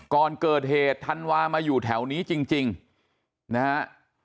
ก่อนเกิดเหตุธันวามาอยู่แถวนี้จริงนะฮะ